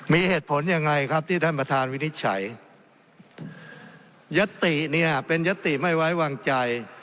มีเหตุผลยังไงครับที่ท่านประธานวินิจฉัยยติเนี่ยเป็นยติไม่ไว้วางใจ